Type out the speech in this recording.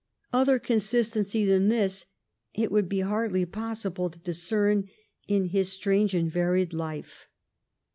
Other consistency than this it would be hardly possible to discern in his strange and varied life.